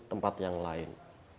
tempat yang lain